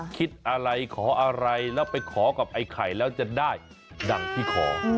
คิดอะไรขออะไรแล้วไปขอกับไอ้ไข่แล้วจะได้ดังที่ขอ